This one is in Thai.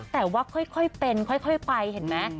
แต่ว่าค่อยเป็นค่อยไปเห็นไหม